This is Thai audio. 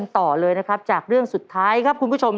ต่อเลยนะครับจากเรื่องสุดท้ายครับคุณผู้ชม